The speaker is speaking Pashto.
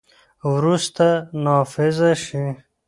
وروسته، نافذ شي.